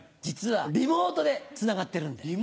実はリモートでつながってるんで。